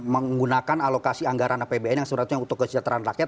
menggunakan alokasi anggaran apbn yang suratnya untuk kesejahteraan rakyat